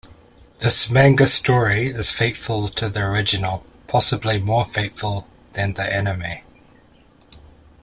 This manga story is faithful to the original, possibly more faithful than the anime.